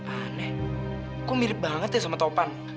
aneh kok mirip banget ya sama topan